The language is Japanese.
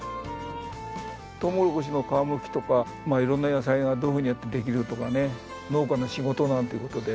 トウモロコシの皮むきとか色んな野菜がどういうふうにやってできるとかね農家の仕事なんて事で。